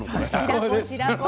白子白子。